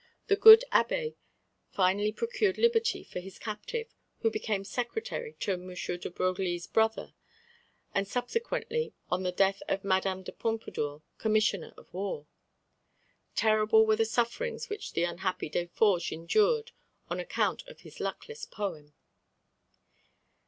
The good Abbé finally procured liberty for his captive, who became secretary to M. de Broglie's brother, and subsequently, on the death of Madame de Pompadour, commissioner of war. Terrible were the sufferings which the unhappy Deforges endured on account of his luckless poem.